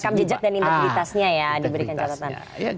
rekam jejak dan integritasnya ya diberikan catatan